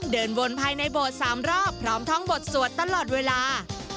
เดินวนภายในโบสถ์๓รอบพร้อมท่องบทสวดตลอดเวลา